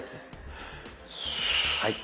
はい。